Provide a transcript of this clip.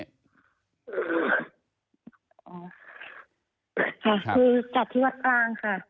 ค่ะคือจัดที่วัดกลางค่ะ